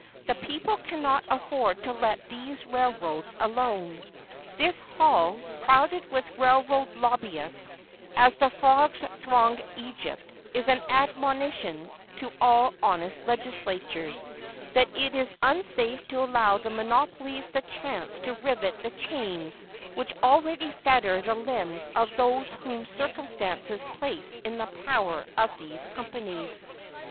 The people cannot afford to let these railroads alone. This hall, crowded with railroad lobbyists, as the frogs thronged Egypt, is an admonition to all honest legislators, that it is unsafe to allow the monopolies the chance to rivet the chains which already fetter the limbs of those whom circumstances place in the power of these companies.